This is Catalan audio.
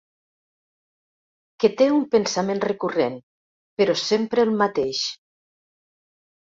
Que té un pensament recurrent, però sempre el mateix.